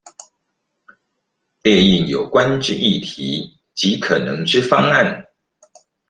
列印有關之議題及可能之方案